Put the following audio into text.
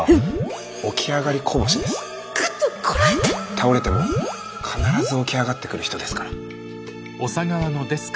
倒れても必ず起き上がってくる人ですから。